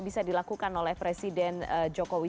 bisa dilakukan oleh presiden jokowi